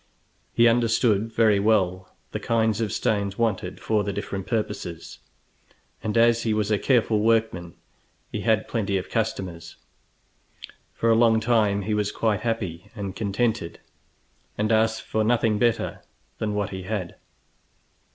He understood very well the kinds of stones wanted for the different purposes, and as he was a careful workman he had plenty of customers. For a long time he was quite happy and contented, and asked for nothing better than what he had.